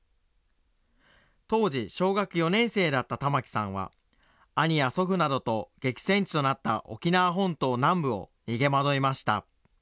当時小学４年生だった玉木さんは、兄や祖父などと激戦地となった沖縄本島南部を逃げまどいました。